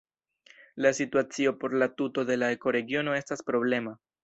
La situacio por la tuto de la ekoregiono estas problema.